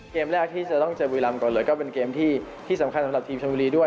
เกมแรกที่จะต้องเจอบุรีรำก่อนเลยก็เป็นเกมที่สำคัญสำหรับทีมชนบุรีด้วย